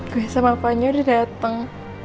gue sama apanya udah dateng